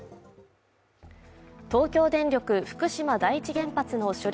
東京電力福島第一原発の処理